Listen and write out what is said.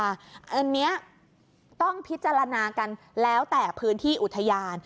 อันนี้ต้องพิจารณากันแล้วแต่พื้นที่อุทยาน